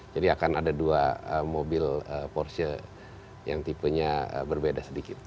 jadi akan ada dua mobil porsche yang tipenya berbeda sedikit